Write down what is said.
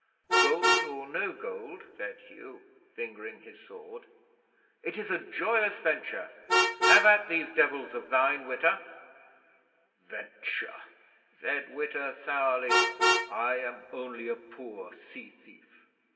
'"Gold or no gold," said Hugh, fingering his sword, "it is a joyous venture. Have at these Devils of thine, Witta!" '"Venture!" said Witta sourly. "I am only a poor sea thief.